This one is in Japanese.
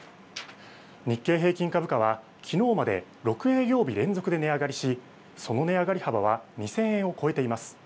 日経平均株価はきのうまで６営業日連続で値上がりし、その値上がり幅は２０００円を超えています。